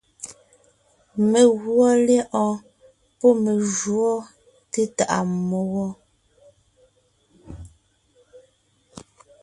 Meguɔ lyɛ̌ʼɔɔn pɔ́ me júɔ té tàʼa mmó wɔ.